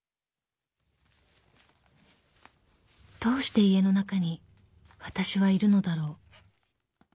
［どうして家の中にわたしはいるのだろう？］